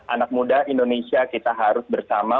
anak muda indonesia kita harus bersama